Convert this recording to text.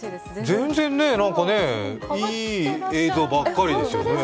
全然、いい映像ばっかりですよ。